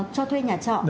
cho thuê nhà trọ